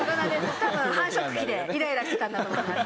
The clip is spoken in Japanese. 多分繁殖期でイライラしてたんだと思います。